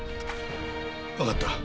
わかった。